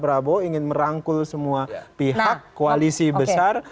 prabowo ingin merangkul semua pihak koalisi besar